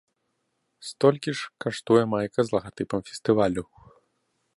Столькі ж каштуе майка з лагатыпам фестывалю.